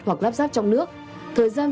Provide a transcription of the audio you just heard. hoặc lắp ráp trong nước thời gian